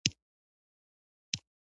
خپل سیاسي مشران پرېنښودل چې ګټه پورته کړي